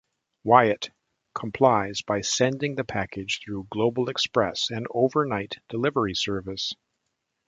Wyatt complies by sending the package through Global Express, an overnight delivery service.